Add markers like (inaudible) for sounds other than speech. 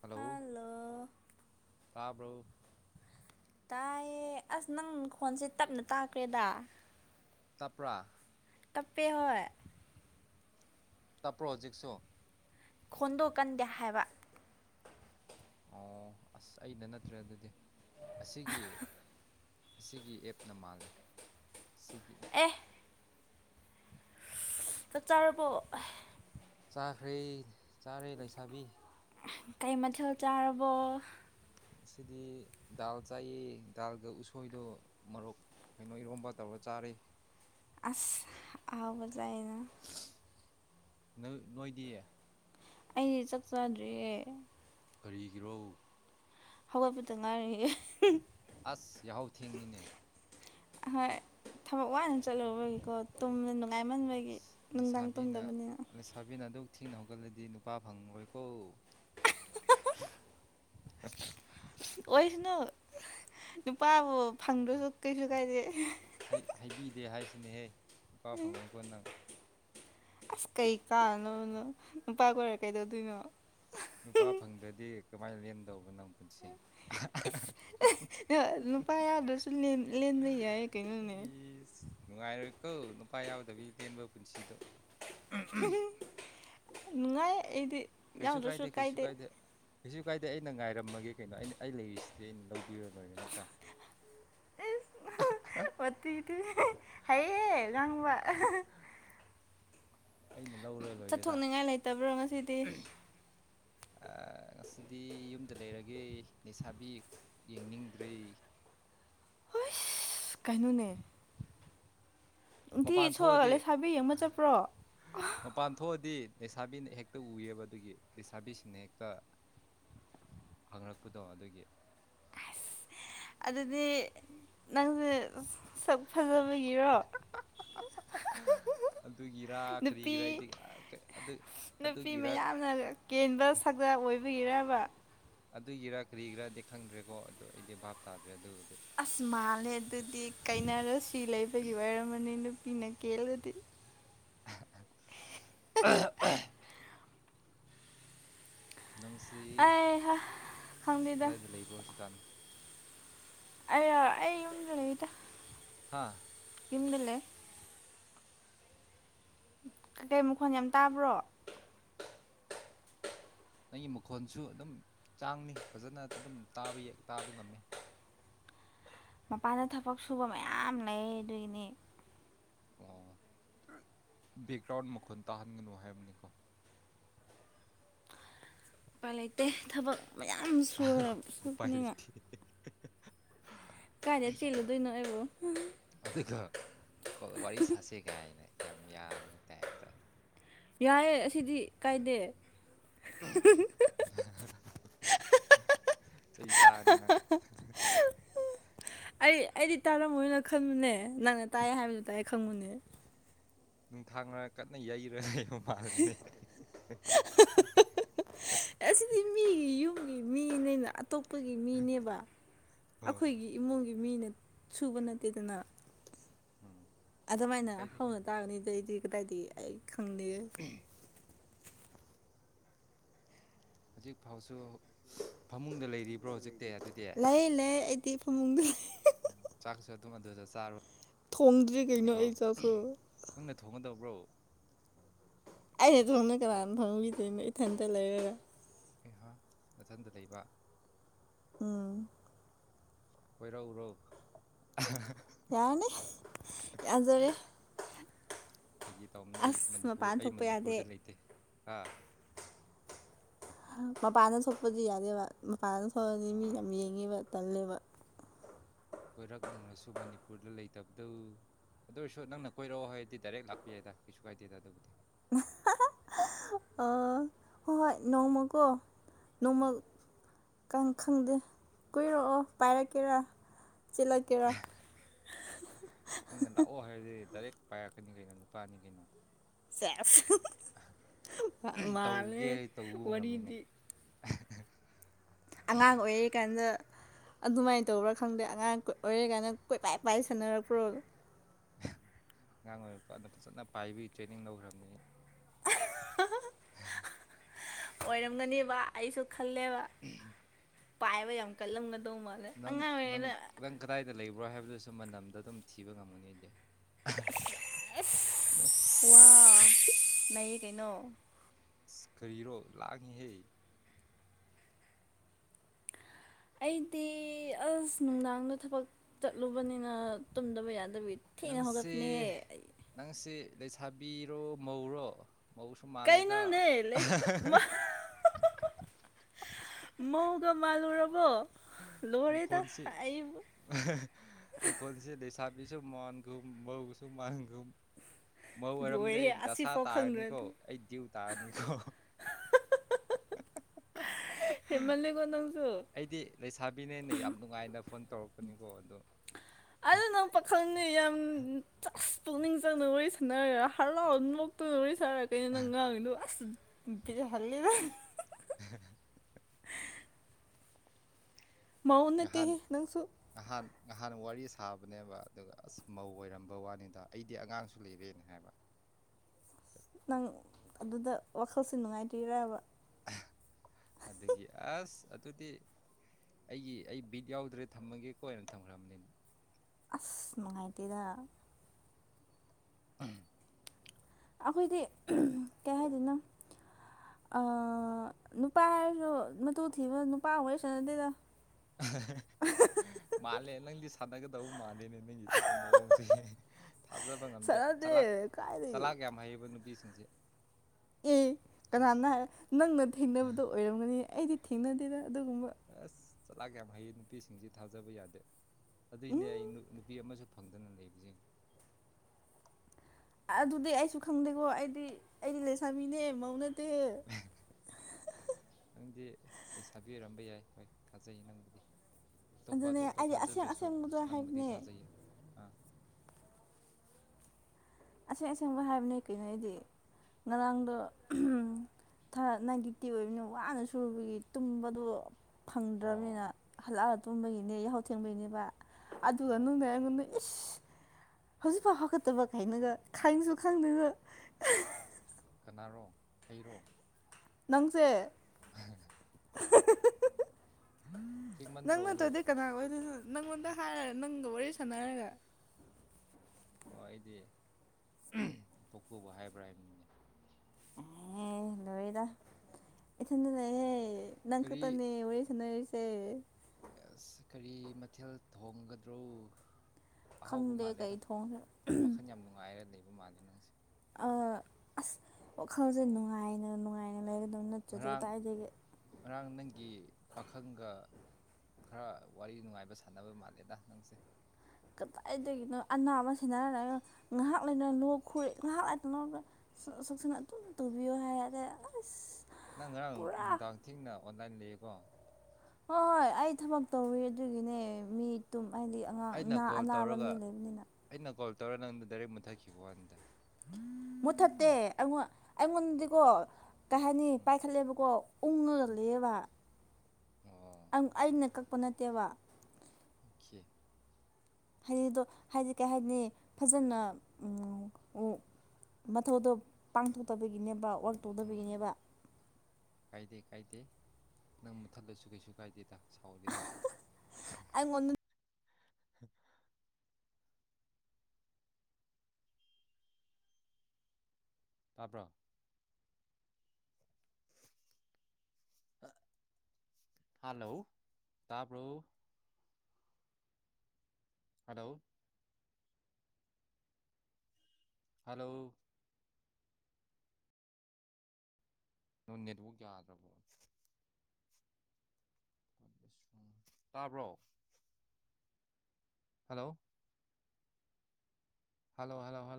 Hello ꯇꯥꯕ꯭ꯔꯣ ꯇꯥꯏꯌꯦ ꯑꯁ ꯅꯪ ꯈꯣꯟꯁꯦ ꯇꯞꯅ ꯇꯥꯛꯈ꯭ꯔꯦꯗꯥ ꯇꯞꯄ꯭ꯔꯥ ꯇꯞꯄꯦ ꯍꯣꯏ ꯇꯞꯄ꯭ꯔꯣ ꯍꯧꯖꯤꯛꯁꯨ ꯈꯣꯟꯗꯣ ꯀꯟꯗꯦ ꯍꯥꯏꯕ ꯑꯣ ꯑꯁ ꯑꯩꯅ ꯅꯠꯇ꯭ꯔꯦ ꯑꯗꯨꯗꯤ ꯑꯁꯤꯒꯤ ꯑꯁꯤꯒꯤ ꯑꯦꯞꯅ ꯃꯥꯜꯂꯦ ꯑꯁꯤꯒꯤꯅ ꯑꯦꯍ ꯆꯥꯛ ꯆꯥꯔꯕꯣ ꯆꯥꯈ꯭ꯔꯦ ꯆꯥꯔꯦ ꯂꯩꯁꯥꯕꯤ ꯀꯩ ꯃꯊꯦꯜ ꯆꯥꯔꯕꯣ ꯉꯁꯤꯗꯤ ꯗꯥꯜ ꯆꯥꯏꯌꯦ ꯗꯥꯜꯒ ꯎꯁꯣꯏꯗꯣ ꯃꯔꯣꯛ ꯀꯩꯅꯣ ꯏꯔꯣꯝꯕ ꯇꯧꯔ ꯆꯥꯔꯦ ꯑꯁ ꯑꯍꯥꯎꯕ ꯆꯥꯏꯅꯥ ꯅꯪ ꯅꯣꯏꯗꯤ ꯑꯩ ꯆꯥꯛ ꯆꯥꯗ꯭ꯔꯤꯌꯦ ꯀꯔꯤꯒꯤꯔꯣ ꯍꯧꯒꯠꯄꯗ ꯉꯥꯏꯔꯤꯌꯦ ꯑꯁ ꯌꯥꯍꯧ ꯊꯦꯡꯉꯤꯅꯦ ꯍꯣꯏ ꯊꯕꯛ ꯋꯥꯅ ꯆꯠꯂꯨꯨꯕꯒꯤꯀꯣ ꯇꯨꯝꯃꯦ ꯅꯨꯡ ꯑꯁ ꯂꯩꯅꯤꯁꯥꯕꯤꯅ ꯂꯩꯁꯥꯕꯤꯅ ꯑꯗꯨꯛ ꯊꯦꯡꯅ ꯍꯧꯒꯠꯂꯗꯤ ꯅꯨꯄꯥ ꯐꯪꯉꯣꯏꯀꯣ ꯑꯣꯏꯁꯅꯨ ꯅꯨꯄꯥꯕꯨ ꯐꯪꯗ꯭ꯔꯁꯨ ꯀꯩꯁꯨ ꯀꯥꯏꯗꯦ ꯍꯩ ꯍꯥꯏꯕꯤꯗꯦ ꯍꯥꯏꯁꯤꯅꯦꯍꯦ ꯅꯨꯨꯄꯥ ꯐꯪꯉꯣꯏꯀꯣ ꯅꯪ ꯑꯁ ꯀꯩ ꯀꯥꯟꯅꯕꯅꯣ ꯅꯨꯄꯥ ꯀꯣꯏꯔ ꯀꯩꯗꯧꯗꯣꯏꯅꯣ ꯅꯨꯄꯥ ꯐꯪꯗ꯭ꯔꯗꯤ ꯀꯃꯥꯏꯅ ꯂꯦꯟꯗꯧꯕ ꯅꯪ ꯄꯨꯟꯁꯤ ꯗꯨ ꯅꯨꯨꯄꯥ ꯌꯥꯗꯁꯨ ꯂꯦꯟ ꯂꯦꯟꯕ ꯌꯥꯏꯌꯦ ꯀꯩꯅꯣꯅꯦ ꯏꯁ ꯅꯨꯡꯉꯥꯏꯔꯣꯏ ꯀꯣ ꯅꯨꯄꯥ ꯌꯥꯎꯗꯕꯤ ꯂꯦꯟꯕ ꯄꯨꯟꯁꯤꯗꯣ ꯅꯨꯡꯉꯥꯏ ꯑꯩꯗꯤ ꯀꯩꯁꯨ ꯀꯥꯏꯗꯦ ꯀꯩꯁꯨ ꯀꯥꯏꯗꯦ ꯀꯩꯁꯨ ꯀꯥꯏꯗꯦ ꯑꯩꯅ ꯉꯥꯏꯔꯝꯃꯒꯦ ꯀꯩꯅꯣ ꯑꯩꯅ ꯑꯩ ꯂꯩꯔꯤꯁꯤꯗꯤ ꯑꯩꯅ ꯂꯧꯕꯤꯔ ꯂꯣꯏꯔꯦ ꯅꯠꯇ꯭ꯔꯥ (unintelligible) ꯋꯥꯊꯤꯗꯤ ꯍꯩꯍꯦ ꯉꯥꯡꯕ ꯑꯩꯅ ꯂꯧꯔ ꯂꯣꯏꯔꯦꯗꯥ ꯆꯠꯊꯣꯛꯅꯤꯡꯉꯥꯏ ꯂꯩꯇꯕ꯭ꯔꯣ ꯉꯁꯤꯗꯤ ꯎꯁꯁ ꯉꯁꯤꯗꯤ ꯌꯨꯝꯗ ꯂꯩꯔꯒꯦ ꯂꯩꯁꯥꯕꯤ ꯌꯦꯡꯅꯤꯡꯗ꯭ꯔꯦ ꯍꯣꯏꯁ ꯑꯁ ꯀꯩꯅꯣꯅꯦ ꯃꯄꯥꯟ ꯅꯨꯡꯇꯤꯒꯤꯁꯨ ꯊꯣꯛꯑꯗꯤ ꯂꯩꯁꯥꯕꯤ ꯌꯦꯡꯕ ꯆꯠꯄ꯭ꯔꯣ ꯄꯥꯟꯊꯣꯛꯑꯗꯤ ꯂꯩꯁꯥꯕꯤꯅ ꯍꯦꯛꯇ ꯎꯏꯌꯦꯕ ꯑꯗꯨꯒꯤ ꯂꯩꯁꯥꯕꯤꯁꯤꯡꯅ ꯍꯦꯛꯇ ꯍꯪꯔꯛꯄꯗꯣ ꯑꯗꯨꯒꯤ ꯑꯁ ꯑꯗꯨꯗꯤ ꯅꯪꯁꯦ ꯁꯛ ꯐꯖꯕꯒꯤꯔꯣ (unintelligible) ꯑꯗꯨꯒꯤꯔ ꯀꯔꯤ ꯒꯤꯔꯥ ꯅꯨꯄꯤ ꯑꯩꯗꯤ ꯑꯥꯛ ꯈ ꯑꯗꯨꯏ ꯑꯗꯨꯒꯤꯔ (unintelligible) ꯑꯣꯏꯕꯒꯤꯔꯥꯕ ꯑꯗꯨꯒꯤꯔ ꯀꯔꯤꯒꯤꯔꯥꯗꯤ ꯈꯪꯗ꯭ꯔꯦꯀꯣ ꯑꯗꯨ ꯑꯩꯗꯤ ꯚꯥꯞ ꯇꯥꯗ꯭ꯔꯦ ꯑꯗꯨꯕꯨꯗꯤ ꯑꯁ ꯃꯥꯜꯂꯦ ꯑꯗꯨꯗꯤ ꯀꯩꯅꯔꯁꯤ ꯂꯩꯕꯒꯤ ꯑꯣꯏꯔꯝꯃꯅꯤ ꯅꯨꯄꯤꯅ ꯀꯦꯜꯂꯗꯤ (unintelligible) ꯅꯪꯁꯤ ꯑꯩ ꯍꯥ ꯈꯪꯗꯦꯗ ꯀꯗꯥꯏꯗ ꯂꯩꯕ꯭ꯔꯣ ꯍꯧꯖꯤꯛꯀꯥꯟ ꯑꯌꯥ ꯑꯩ ꯌꯨꯝꯗꯥ ꯂꯩꯗꯥ ꯍꯥꯥ ꯌꯨꯝꯗꯥꯂꯩ ꯒꯩ ꯃꯈꯣꯟ ꯌꯥꯝ ꯇꯕ꯭ꯔꯣ ꯅꯪꯒꯤ ꯃꯈꯣꯟꯁꯨ ꯑꯗꯨꯝ ꯆꯥꯡꯅꯤ ꯐꯖꯅ ꯇꯗꯨꯝ ꯇꯥꯕ ꯌꯦ ꯇꯥꯕ ꯉꯝꯃꯦ ꯃꯄꯥꯟꯗ ꯊꯕꯛ ꯁꯨꯕ ꯃꯌꯥꯝ ꯅꯩ ꯑꯗꯨꯒꯤꯅꯤ ꯑꯣ ꯕꯦꯛꯒ꯭ꯔꯥꯎꯟ ꯃꯈꯣꯟ ꯇꯥꯍꯟꯒꯅꯨ ꯍꯥꯏꯕꯅꯤꯀꯣ꯫ ꯎꯄꯥꯏ ꯂꯩꯇꯦ ꯊꯕꯛ ꯃꯌꯥꯝꯁ__ ꯎꯄꯥꯏ ꯂꯩꯇꯦ ꯀꯥꯏꯗ ꯆꯦꯜꯂꯨꯗꯣꯏꯅꯣ ꯑꯩꯕꯨ ꯑꯗꯨꯒꯥ ꯀꯣꯜ ꯋꯥꯔꯤ ꯁꯥꯁꯦ ꯀꯥꯏꯅ ꯌꯥꯝ ꯌꯥꯕꯤ ꯇꯥꯏꯞꯇ ꯌꯥꯏꯌꯦ ꯑꯁꯤꯗꯤ ꯀꯥꯏꯗꯦ ꯆꯩ ꯆꯥꯅꯤ ꯅꯪ (unintelligible) ꯑꯩ ꯑꯩꯗꯤ ꯇꯥꯔꯝꯃꯣꯏꯅ ꯈꯟꯕꯅꯦ ꯅꯪꯅ ꯇꯥꯏ ꯍꯥꯏꯕꯗꯨꯗꯥ ꯑꯩ ꯈꯪꯕꯅꯦ ꯅꯨꯡꯊꯥꯡꯔꯥꯏ ꯀꯠꯅ ꯌꯩꯔꯗꯤ ꯃꯥꯜꯂꯅꯤꯅꯦ (unintelligible) ꯑꯁꯤꯗꯤ ꯃꯤꯒꯤ ꯌꯨꯝꯒꯤ ꯃꯤꯅꯦꯅ ꯑꯇꯣꯞꯄꯒꯤ ꯃꯤꯅꯦꯕ ꯑꯣ ꯑꯈꯣꯏꯒꯤ ꯏꯃꯨꯡꯒꯤ ꯃꯤꯅ ꯁꯨꯕ ꯅꯠꯇꯦꯗꯅ ꯎꯝ ꯑꯗꯨꯃꯥꯏꯅ ꯀꯥꯏꯗꯦ ꯍꯧꯅ ꯀꯥꯏꯗꯦ ꯇꯥꯒꯅꯤꯗꯩꯗꯤ ꯀꯗꯥꯏꯗꯤ ꯑꯩ ꯎꯝ ꯈꯪꯗꯤꯌꯦ ꯍꯧꯖꯤꯛꯐꯥꯎꯁꯨ ꯐꯃꯨꯡꯗ ꯂꯩꯔꯤꯕ꯭ꯔꯣ ꯍꯧꯖꯤꯛꯇꯤ ꯑꯗꯨ__ ꯂꯩ ꯂꯩ ꯑꯩꯗꯤ ꯐꯃꯨꯡꯗ ꯂꯩ ꯎꯝ ꯆꯥꯛꯁꯨ ꯑꯗꯨꯝ ꯑꯗꯨꯗ ꯆꯥꯔꯣ ꯊꯣꯡꯗ꯭ꯔꯤ ꯀꯩꯅꯣ ꯑꯩ ꯆꯥꯛꯁꯨ ꯅꯪꯅ ꯊꯣꯡꯒꯗꯧꯕ꯭ꯔꯣ ꯑꯩꯅꯥ ꯊꯣꯡꯅ ꯀꯅꯥꯅ ꯊꯣꯡꯕꯤꯗꯣꯏꯅꯣ ꯏꯊꯟꯇ ꯂꯩꯔꯒꯥ ꯑꯦꯍꯥ ꯅꯊꯟꯇꯥ ꯂꯩꯕ ꯎꯝ ꯀꯣꯏꯔꯛꯎꯔꯣ ꯌꯥꯔꯅꯤ ꯌꯥꯖꯔꯦ ꯑꯩꯒꯤ ꯇꯧꯝꯅꯦ ꯑꯩ ꯑꯁ ꯃꯅꯤꯄꯨꯔ ꯃꯄꯥꯟ ꯑꯩ ꯊꯣꯛꯄ ꯌꯥꯗꯦ ꯃꯅꯤꯄꯨꯔꯗ ꯂꯩꯇꯦ ꯍꯥ ꯑꯥ ꯃꯄꯥꯟꯗ ꯊꯣꯛꯄꯗꯤ ꯌꯥꯗꯦꯕ ꯃꯄꯥꯟꯗ ꯊꯣꯛꯑꯗꯤ ꯃꯤ ꯑꯣ ꯌꯥꯝ ꯌꯦꯡꯉꯦꯕ ꯇꯜꯂꯦꯕ ꯀꯣꯏꯔꯛꯅꯤꯡꯔꯁꯨ ꯃꯅꯤꯄꯨꯔꯗ ꯂꯩꯇꯕꯗꯣ ꯑꯗꯨ ꯑꯣꯏꯔꯁꯨ ꯅꯪꯅ ꯀꯣꯏꯔꯛꯑꯣ ꯍꯥꯏꯔꯗꯤ ꯗꯥꯏꯔꯦꯛ ꯂꯥꯛꯄ ꯌꯥꯏꯗ ꯀꯩꯁꯨ ꯀꯥꯏꯗꯦꯗ ꯑꯗꯨꯕꯨꯗꯤ ꯑꯣ ꯍꯣꯏ ꯍꯣꯏ ꯅꯣꯡꯃꯀꯣ ꯅꯣꯡꯃꯛ__ ꯎꯝ ꯀꯥꯡ ꯈꯪꯗꯦ ꯀꯨꯏꯔꯛꯑꯣ ꯄꯥꯏꯔꯛꯀꯦꯔꯥ ꯆꯦꯂꯛ ꯅꯪꯅ ꯂꯥꯛꯑꯣ ꯍꯥꯏꯔꯗꯤ ꯗꯥꯏꯔꯦꯛ ꯄꯥꯏꯔꯛꯀꯅꯤ ꯀꯩꯅꯣ ꯅꯨꯄꯥꯅꯤ ꯀꯩꯅꯣ ꯁꯦꯁ ꯇꯧꯒꯦ ꯃꯥꯜꯂꯦ ꯇꯧꯕ ꯉꯝꯃꯤꯅꯦ ꯋꯥꯔꯤꯗꯤ ꯑꯉꯥꯡ ꯑꯣꯏꯔꯤ ꯀꯥꯟꯗ ꯑꯗꯨꯃꯥꯏꯅ ꯇꯧꯕ꯭ꯔꯥ ꯈꯪꯗꯦ ꯑꯉꯥꯡ ꯑꯣꯏꯔꯦ ꯀꯥꯏꯅ ꯀꯣꯏ ꯄꯥꯏ ꯄꯥꯏ ꯁꯥꯟꯅꯔꯛꯄ꯭ꯔꯣ ꯑꯉꯥꯡ ꯑꯣꯏꯔꯛꯄ ꯑꯗꯨ ꯐꯖꯅ ꯄꯥꯏꯕꯤ ꯇ꯭ꯔꯦꯅꯤꯡ ꯂꯧꯈ꯭ꯔꯕꯅꯤ (unintelligible) (unintelligible) ꯑꯣꯏꯔꯝꯒꯅꯦꯕ ꯑꯩꯁꯨ ꯈꯜꯂꯦꯕ (unintelligible) ꯄꯥꯏꯕ ꯌꯥꯝ ꯀꯜꯂꯝꯒꯗꯧ ꯃꯥꯟ ꯅꯪ ꯅꯪ ꯅꯪ ꯀꯗꯥꯏꯗ ꯂꯩꯕ꯭ꯔꯣ ꯍꯥꯏꯕꯗꯨꯁꯨ ꯃꯅꯝꯗ ꯑꯗꯨꯝ ꯊꯤꯕ ꯉꯝꯒꯅꯤ ꯑꯩꯗꯤ (unintelligible) ꯋꯥꯎ ꯅꯩꯌꯦ ꯀꯩꯅꯣ ꯑꯁ ꯀꯔꯤꯔꯣ ꯂꯥꯡꯉꯤꯍꯦ ꯑꯩꯗꯤ ꯑꯁ ꯅꯨꯡꯗꯥꯡꯗ ꯊꯕꯛ ꯆꯠꯂꯨꯕꯅꯤꯅ ꯇꯨꯝꯗꯕ ꯌꯥꯗꯕꯤ ꯊꯦꯡꯅ ꯅꯪꯁꯦ ꯍꯧꯒꯠꯄꯅꯦꯍꯦ ꯅꯪꯁꯦ ꯂꯩꯁꯥꯕꯤꯔꯣ ꯃꯧꯔꯣ ꯃꯧꯁꯨꯨ ꯃꯥꯜꯂꯤꯗ ꯀꯩꯅꯣꯅꯦ ꯃꯧꯒ ꯃꯥꯜꯂꯨꯔꯕꯣ ꯂꯣꯏꯔꯦꯗ ꯃꯈꯣꯟꯁꯤ ꯑꯩꯕꯨ ꯃꯈꯣꯟꯁꯤ ꯂꯩꯁꯥꯕꯤꯁꯨ ꯃꯥꯟꯒꯨꯝ ꯃꯧꯁꯨ ꯃꯥꯟꯒꯨꯝ ꯃꯧ ꯑꯣꯏꯔꯃꯗꯤ ꯑꯩ ꯂꯣꯏꯔꯦ ꯗꯁꯥ ꯑꯁꯤꯐꯥꯎ ꯇꯥꯒꯅꯤꯀꯣ ꯈꯪꯗ꯭ꯔꯗꯤ ꯑꯩ ꯗꯤꯌꯨ ꯇꯥꯅꯤꯀꯣ ꯍꯦꯟꯃꯜꯂꯦꯀꯣ ꯅꯪꯁꯨ ꯑꯩꯗꯤ ꯂꯩꯁꯥꯕꯤꯅꯦꯅ ꯌꯥꯝ ꯅꯨꯡꯉꯥꯏꯅ ꯐꯣꯟ ꯇꯧꯔꯛ ꯄꯅꯤꯀꯣ ꯑꯗꯣ ꯑꯗꯨ ꯅꯪ ꯄꯥꯈꯪꯅꯤ ꯌꯥꯝ ꯑꯁ ꯄꯨꯛꯅꯤꯡ ꯆꯪꯅ ꯋꯥꯔꯤ ꯁꯥꯟꯅꯔꯒ ꯍꯔꯥꯎꯃꯨꯛ ꯇꯣꯏꯅ ꯋꯥꯔꯤ ꯁꯥꯔꯛ ꯀꯩꯩꯅꯣ ꯅꯪ ꯉꯥꯡꯉꯤꯗꯣ ꯑꯁ ꯕꯤꯠ ꯍꯜꯂꯤꯗ (unintelligible) ꯃꯥꯎ ꯅꯍꯥꯟ ꯅꯠꯇꯦꯍꯦ ꯅꯪꯁꯨ ꯉꯍꯥꯟ ꯉꯍꯥꯟ ꯋꯥꯔꯤ ꯁꯥꯕꯅꯦꯕ ꯑꯗꯨꯒ ꯑꯁ ꯃꯧ ꯑꯣꯏꯔꯝꯕ ꯋꯥꯅꯤꯗ ꯑꯩꯗꯤ ꯑꯉꯥꯡꯁꯨ ꯂꯩꯔꯦꯅꯦ ꯍꯥꯏꯕ ꯅꯪ ꯑꯗꯨꯗ ꯋꯥꯈꯜꯁꯦ ꯅꯨꯡꯉꯥꯏꯇ꯭ꯔꯤꯔꯕ ꯑꯗꯨꯒꯤ ꯑꯁ ꯑꯗꯨꯗꯤ ꯑꯩꯒꯤ ꯑꯩ ꯕꯤꯠ ꯌꯥꯎꯗ꯭ꯔꯦ ꯊꯝꯃꯒꯦ ꯀꯣ ꯅ ꯊꯝꯈ꯭ꯔꯕꯅꯤꯅ ꯑꯁ ꯅꯨꯡꯉꯥꯏꯇꯦꯗ ꯎꯝ ꯑꯩꯈꯣꯏꯗꯤ ꯀꯩ ꯍꯥꯏꯗꯣꯏꯅꯣ ꯑ ꯅꯨꯄꯥ ꯍꯥꯏꯔꯁꯨ ꯃꯇꯨ ꯊꯤꯕ ꯅꯨꯄꯥꯒ ꯋꯥꯔꯤ ꯁꯥꯟꯅꯗꯦꯗ ꯃꯥꯜꯂꯦ ꯅꯪꯗꯤ ꯁꯥꯟꯅꯒꯗꯧꯕ ꯃꯥꯜꯂꯦꯅꯦ ꯅꯪꯒꯤ ꯃꯑꯣꯡꯁꯤ ꯊꯥꯖꯕ ꯉꯝꯗꯦ ꯁꯥꯟꯅꯗꯦ ꯆꯂꯥꯛ ꯀꯥꯏꯗꯒꯤ ꯆꯂꯥꯛ ꯌꯥꯝ ꯍꯩꯌꯦꯕ ꯅꯨꯄꯤꯁꯤꯡꯁꯦ ꯑꯦ ꯀꯅꯥꯅ ꯍꯥꯏ ꯅꯪꯅ ꯊꯦꯡꯅꯕꯗꯣ ꯑꯣꯏꯔꯝꯒꯅꯤ ꯑꯩꯗꯤ ꯊꯦꯡꯅꯗꯦꯗ ꯑꯗꯨꯒꯨꯝꯕ ꯑꯁ ꯆꯂꯥꯛ ꯌꯥꯝ ꯍꯩꯌꯦ ꯅꯨꯄꯤꯁꯤꯡꯁꯤ ꯊꯥꯖꯕ ꯌꯥꯗꯦ ꯑꯗꯨꯏꯅꯦ ꯑꯩ ꯎꯝ ꯅꯨ ꯅꯨꯄꯤ ꯑꯃꯁꯨ ꯐꯪꯗꯅ ꯂꯩꯕꯁꯦ ꯑꯗꯨꯗꯤ ꯑꯩꯁꯨ ꯈꯪꯗꯦꯀꯣ ꯑꯩꯗꯤ ꯑꯩꯗꯤ ꯂꯩꯁꯥꯕꯤꯅꯦ ꯃꯧ ꯅꯠꯇꯦꯍꯦ (unintelligible) ꯅꯪꯗꯤ ꯂꯩꯁꯥꯕꯤ ꯑꯣꯏꯔꯝꯕ ꯌꯥꯏ ꯍꯣꯏ ꯊꯥꯖꯩꯌꯦ ꯅꯪꯕꯨꯗꯤ ꯑꯇꯣꯞꯄ ꯑꯗꯨꯅꯦ ꯑꯇꯣꯞꯄ ꯑꯩꯗꯤ ꯑꯁꯦꯡ ꯊꯥꯖꯗ꯭ꯔꯁꯨ ꯑꯁꯦꯡꯕꯗꯣ ꯅꯪꯕꯨꯗꯤ ꯍꯥꯏꯕꯅꯦ ꯊꯥꯖꯩꯌꯦ ꯑꯥ ꯑꯁꯦꯡ ꯑꯁꯦꯡꯕ ꯍꯥꯏꯕꯅꯤ ꯀꯩꯅꯣ ꯍꯥꯏꯗꯤ ꯉꯔꯥꯡꯗꯣ ꯊꯔ ꯅꯥꯏꯟꯇꯤꯛꯇꯤ ꯑꯣꯏꯕꯅꯤꯅ ꯋꯥꯅ ꯁꯨꯨꯕꯒꯤ ꯇꯨꯝꯕꯗꯣ ꯑꯣ ꯐꯪꯗ꯭ꯔꯕꯅꯤꯅ ꯍꯜꯂꯛꯑꯒ ꯇꯨꯝꯕꯒꯤꯅꯦ ꯏꯍꯥꯎ ꯊꯦꯡꯕꯒꯤꯅꯦꯕ ꯑꯗꯨꯒ ꯑꯣ ꯅꯅꯦ ꯑꯩꯉꯣꯟ ꯏꯁ ꯍꯧꯖꯤꯛꯐꯥꯎ ꯍꯧꯒꯠꯇꯕ ꯀꯥꯏꯅꯒ ꯈꯪꯁꯨ ꯈꯥꯡꯗꯅ ꯀꯅꯥꯔꯣ ꯑꯩꯔꯣ ꯅꯪꯁꯦ (unintelligible) ꯅꯪ ꯊꯦꯡꯃꯟꯗ꯭ꯔꯣ ꯑꯗꯨ ꯅꯠꯇꯗꯤ ꯀꯅꯥ ꯑꯣꯏꯗꯣꯏ ꯅꯪꯉꯣꯟꯗ ꯍꯥꯏꯔ ꯅꯪꯒ ꯋꯥꯔꯤ ꯁꯥꯟꯅꯔꯒ ꯍꯣꯏ ꯑꯩꯗꯤ ꯑꯇꯣꯞꯄꯕꯨ ꯍꯥꯏꯕ꯭ꯔꯥ ꯍꯥꯏꯕꯅꯤꯅꯦ ꯑꯦ ꯂꯣꯏꯔꯦꯗ ꯏꯊꯟꯗ‌‌‌‌ ꯂꯩꯌꯦ ꯅꯪ ꯀꯔꯤ ꯈꯛꯇꯪꯅꯤ ꯋꯥꯔꯤ ꯁꯥꯟꯅꯔꯤꯁꯦ ꯑꯁ ꯀꯔꯤ ꯃꯊꯦꯜ ꯊꯣꯡꯒꯗ꯭ꯔꯣ ꯑꯍꯥꯎꯕ ꯈꯪꯗꯦ ꯃꯥꯜꯂꯦꯗ ꯀꯩ ꯊꯣꯡꯁꯤꯔ ꯋꯥꯈꯜ ꯌꯥꯝ ꯅꯨꯡꯉꯥꯏꯔ ꯂꯩꯕ ꯃꯥꯜꯂꯦ ꯅꯪꯁꯦ ꯑꯥ ꯑꯁ ꯋꯥꯈꯜꯁꯦ ꯅꯨꯡꯉꯥꯏꯅ ꯅꯨꯡꯉꯥꯏꯅ ꯂꯩꯒꯗꯕ ꯅꯠꯇ ꯉꯔꯥꯡ ꯉꯔꯥꯡ ꯅꯪꯒꯤ ꯄꯥꯈꯪꯒ ꯈꯔ ꯋꯥꯔꯤ ꯅꯨꯡꯉꯥꯏꯕ ꯁꯥꯟꯅꯕ ꯃꯥꯜꯂꯦꯗ ꯅꯪꯁꯦ ꯀꯗꯥꯏꯗꯒꯤꯅꯣ ꯑꯅꯥꯕ ꯁꯦꯟꯅꯔꯒ ꯉꯥꯏꯍꯥꯛ ꯂꯩꯅ ꯂꯣꯛ ꯈꯨ ꯉꯥꯏꯍꯥꯛ ꯉꯥꯛꯇꯅꯣ ꯁꯣꯛꯁꯤꯅ ꯑꯗꯨꯝ ꯇꯨꯕꯤꯌꯣ ꯍꯥꯏꯌꯦꯅꯦ ꯑꯁ ꯅꯪ ꯉꯔꯥꯡ ꯄꯨꯔꯥ ꯅꯨꯡꯗꯥꯡ ꯊꯤꯡꯅ ꯑꯣꯟꯂꯥꯏꯟ ꯂꯩꯌꯦꯀꯣ ꯍꯣꯏ ꯍꯣꯏ ꯑꯩ ꯊꯕꯛ ꯇꯧꯋꯦ ꯑꯗꯨꯒꯤꯅꯦ ꯃꯤ ꯑꯗꯨꯝ ꯍꯥꯏꯗꯤ ꯑꯉꯥꯡꯅ‌ ꯑꯅꯥꯕ ꯃꯤ ꯂꯩꯕꯅꯤꯅ ꯑꯩꯅ ꯀꯣꯜ ꯇꯧꯔꯒ ꯅꯪꯗ ꯗꯥꯏꯔꯦꯛ ꯃꯨꯠꯊꯈꯤꯕ ꯋꯥꯥꯅꯤꯗ ꯃꯨꯊꯠꯇꯦ ꯑꯩꯉꯣꯟ ꯑꯩꯉꯣꯟꯗꯗꯤꯀꯣ ꯀꯩ ꯍꯥꯏꯅꯤ ꯎꯝ ꯄꯥꯏꯈꯠꯂꯦꯕꯀꯣ ꯎꯪꯉꯥꯒ ꯎꯝ ꯂꯩꯌꯦꯕ ꯑꯣ ꯑꯩꯅ ꯀꯛꯄ ꯅꯠꯇꯦꯕ ꯑꯣꯀꯦ ꯍꯥꯏꯗꯤꯗꯣ ꯍꯥꯏꯗꯤ ꯀꯩ ꯍꯥꯏꯅꯤ ꯐꯖꯅ ꯃꯊꯧꯗꯣ ꯄꯥꯡꯊꯣꯛꯇꯕꯒꯤꯅꯦꯕ ꯋꯥꯛ ꯎꯝ ꯇꯧꯗꯕꯒꯤꯅꯦꯕ ꯀꯥꯏꯗꯦ ꯀꯥꯏꯗꯦ ꯅꯪ ꯃꯨꯊꯠꯂꯁꯨ ꯀꯩꯁꯨ ꯀꯥꯏꯗꯦꯗ ꯁꯥꯎꯗꯦꯗ ꯑꯩꯉꯣꯟꯗ ꯇꯥꯄ꯭ꯔꯥ ꯍꯜꯂꯣ ꯇꯥꯄ꯭ꯔꯣ ꯍꯜꯂꯣ ꯍꯜꯂꯣ ꯅꯦꯠꯋꯥꯛ ꯌꯥꯗ꯭ꯔꯕꯣ ꯇꯥꯕ꯭ꯔꯣ ꯍꯜꯂꯣ ꯍꯜꯂꯣ ꯍꯜꯂꯣ ꯍꯜꯂꯣ